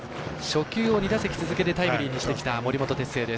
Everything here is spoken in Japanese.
初球を２打席続けてタイムリーにしてきた森本哲星。